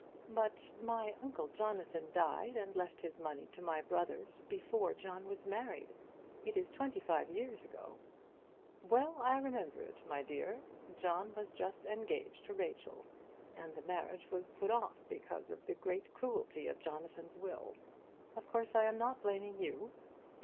"But my uncle Jonathan died and left his money to my brothers before John was married. It is twenty five years ago." "Well I remember it, my dear! John was just engaged to Rachel, and the marriage was put off because of the great cruelty of Jonathan's will. Of course I am not blaming you."